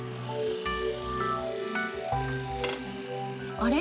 あれ？